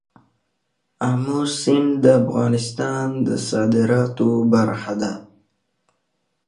آمو سیند د افغانستان د صادراتو برخه ده.